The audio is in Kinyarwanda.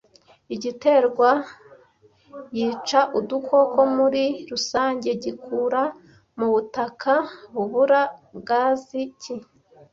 Igiterwa cyica udukoko muri rusange gikura mubutaka bubura gaze ki